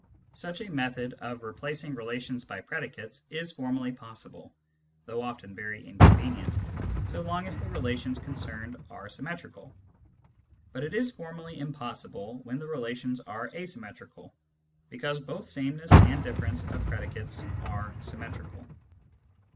Such a method of replacing relations by predicates is formally possible (though often very inconvenient) so long as the relations concerned are symmetrical ; but it is formally impossible when the relations are asymmetrical, because both sameness and difference of predi cates are symmetrical.